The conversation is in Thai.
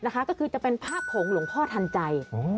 ก็คือจะเป็นภาพของหลวงพ่อทันใจ